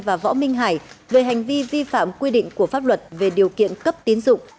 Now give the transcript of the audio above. và võ minh hải về hành vi vi phạm quy định của pháp luật về điều kiện cấp tín dụng